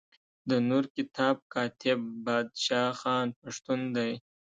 د نور کتاب کاتب بادشاه خان پښتون دی.